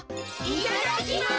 いただきます！